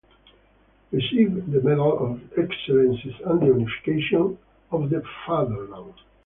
Received the Medal of Excellence and the Unification of the Fatherland.